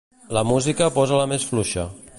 La música posa-la més fluixa.